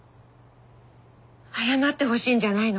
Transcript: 謝ってほしいんじゃないの。